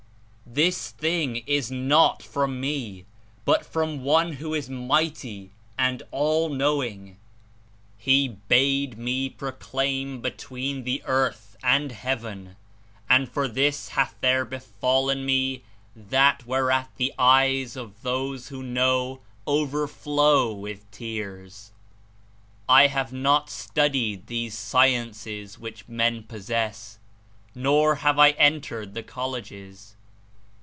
This thing is not from me but from One The ^^'^°^^ Mighty and All knowing. He Appoint bade me proclaim between the earth and • ment heaven, and for this hath there befallen me that whereat the eyes of those who know over flow with tears. I have not studied these sciences which men possess, nor have I entered the colleges.